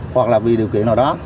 hoặc là vì điều kiện nào đó